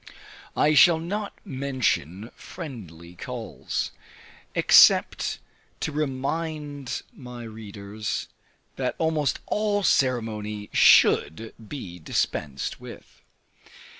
I shall not mention friendly calls, except to remind my readers, that almost all ceremony should be dispensed with.